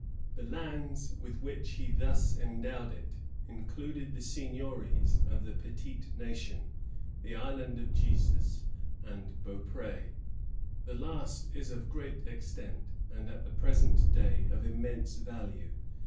The lands with which he thus endowed it included the seigniories of the Petite Nation, the Island of Jesus, and Beaupr^. The last is of great extent, and at the present day of immense value.